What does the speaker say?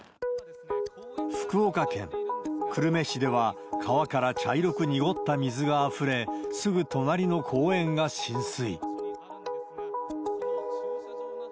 福岡県久留米市では、川から茶色く濁った水があふれ、すぐ隣の公園が浸水。